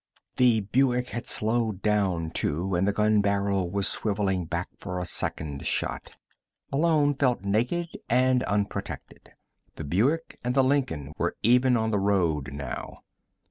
The Buick had slowed down, too, and the gun barrel was swiveling back for a second shot. Malone felt naked and unprotected. The Buick and the Lincoln were even on the road now.